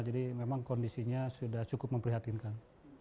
jadi memang kondisinya sudah cukup memprihatinkan